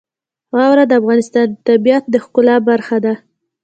واوره د افغانستان د طبیعت د ښکلا برخه ده.